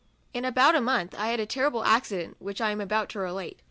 In about a month I had a terrible acci dent, which I am about to relate.